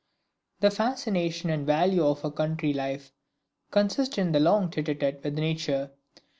The fascination and value of a country life consist in the long tete a tete with nature.